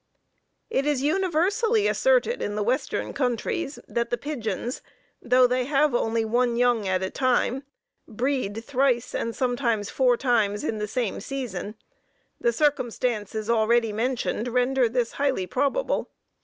It is universally asserted in the western countries that the pigeons, though they have only one young at a time, breed thrice, and sometimes four times in the same season; the circumstances already mentioned render this highly probable.